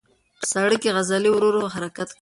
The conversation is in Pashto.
په ساړه کې عضلې ورو حرکت کوي.